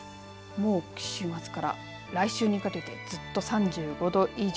もう週末から来週にかけてはずっと３５度以上。